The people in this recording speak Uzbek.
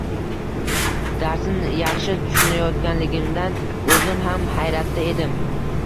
Darsni yaxshi tushunayotganligimdan o`zim ham hayratda edim